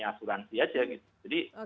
asuransi aja gitu jadi